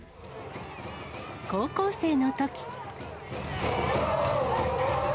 高校生のとき。